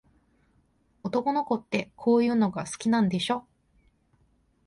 男の子って、こういうの好きなんでしょ。